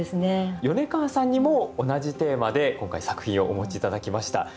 米川さんにも同じテーマで今回作品をお持ち頂きました。